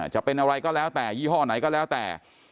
จะเป็นอะไรก็แล้วแต่ยี่ห้อไหนก็แล้วแต่